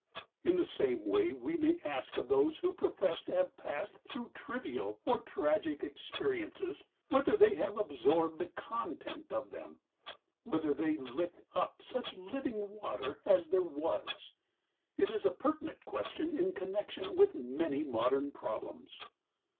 In the same way we may ask of those who profess to have passed through trivial or tragic experiences whether they have absorbed the content of them; whether they licked up such living water as there was. It is a pertinent question in connection with many modern problems.